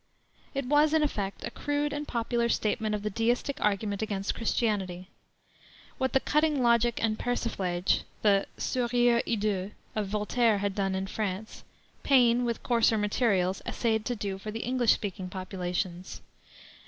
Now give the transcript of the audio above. It was, in effect, a crude and popular statement of the Deistic argument against Christianity. What the cutting logic and persiflage the sourire hideux of Voltaire had done in France, Paine, with coarser materials, essayed to do for the English speaking populations.